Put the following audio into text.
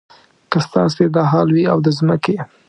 که ستاسې دا حال وي او د ځمکې.